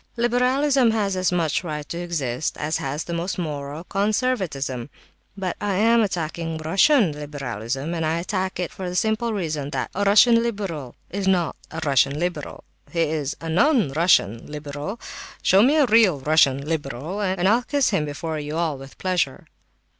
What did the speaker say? Liberalism has just as much right to exist as has the most moral conservatism; but I am attacking Russian liberalism; and I attack it for the simple reason that a Russian liberal is not a Russian liberal, he is a non Russian liberal. Show me a real Russian liberal, and I'll kiss him before you all, with pleasure."